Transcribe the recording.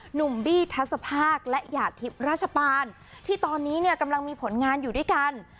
หนุ่มบี้ทัศภาคและหยาดทิพย์ราชปานที่ตอนนี้เนี่ยกำลังมีผลงานอยู่ด้วยกัน